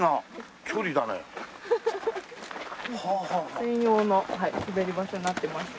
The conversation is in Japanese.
専用の滑り場所になってまして。